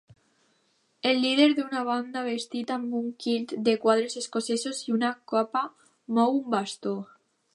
El líder d'una banda vestit amb un kilt de quadres escocesos i una capa mou un bastó.